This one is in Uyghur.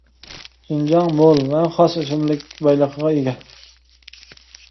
شىنجاڭ مول ۋە خاس ئۆسۈملۈك بايلىقىغا ئىگە.